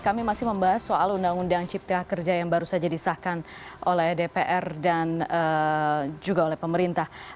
kami masih membahas soal undang undang cipta kerja yang baru saja disahkan oleh dpr dan juga oleh pemerintah